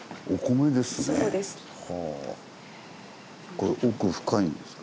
これ奥深いんですか？